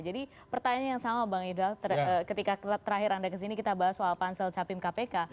jadi pertanyaan yang sama bang idwal ketika terakhir anda ke sini kita bahas soal pansel capim kpk